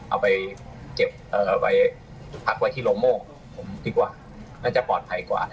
เอาไปเก็บเอาไปพักไว้ที่โรงโม่งผมคิดว่าน่าจะปลอดภัยกว่า